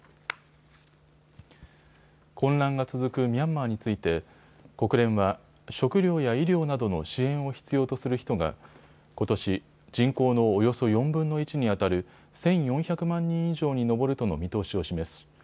混乱が続くミャンマーについて国連は食糧や医療などの支援を必要とする人がことし、人口のおよそ４分の１にあたる１４００万人以上に上るとの見通しを示し